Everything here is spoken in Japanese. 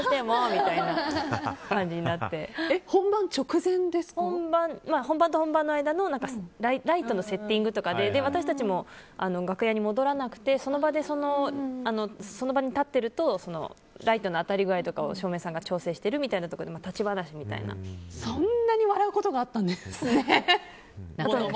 みたいな感じになって本番と本番の間のライトのセッティングとかで私たちも楽屋に戻らなくてその場に立ってるとライトの当たり具合とかを照明さんが調整してるみたいなところでそんなに笑うことがあったんですね。